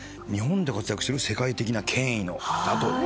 日本で活躍してる世界的な権威の方と。